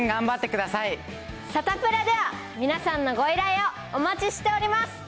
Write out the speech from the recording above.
サタプラでは、皆さんのご依頼をお待ちしております。